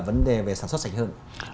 vấn đề về sản xuất sạch hơn